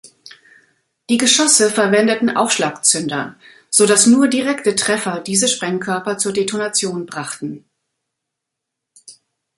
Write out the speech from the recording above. Die Geschosse verwendeten Aufschlagzünder, so dass nur direkte Treffer diese Sprengkörper zur Detonation brachten.